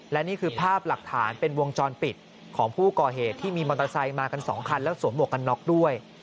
และนี่คือภาพหลักฐานเป็นวงจรปิดของผู้ก่อเหตุที่มีมอเตอร์ไซค์มากัน๒คันแล้วสวมหวกกันน็อกด้วย